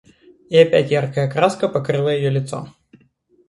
И опять яркая краска покрыла ее лицо.